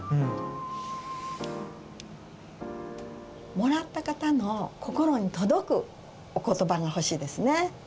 もらった方の心に届くお言葉が欲しいですね。